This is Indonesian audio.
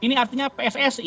ini artinya pssi